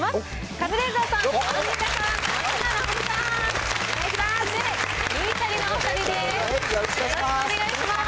カズレーザーさん、アンミカさん、お願いします。